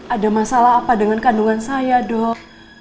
ada masalah apa dengan kandungan saya dok